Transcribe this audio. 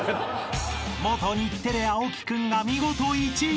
［元日テレ青木君が見事１位］